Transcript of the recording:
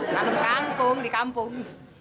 tanam kangkung di kampung